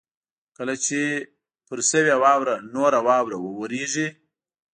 کله چې پر شوې واوره نوره واوره ورېږي